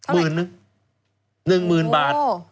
เมื่อนึง๑หมื่นบาท